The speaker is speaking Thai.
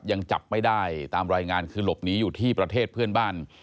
ยังจับไม่ได้ตามรายงานคือหลบหนีอยู่ที่ประเทศเพื่อนบ้าน